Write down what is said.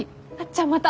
じゃあまた。